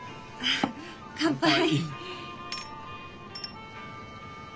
乾杯。